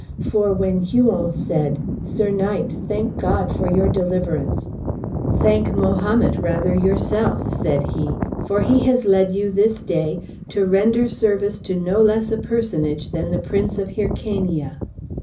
For when Huon said, "Sir knight, thank God for your deliverance," "Thank Mahomet, rather, yourself," said he, "for he has led you this day to render service to no less a personage than the Prince of Hyrcania."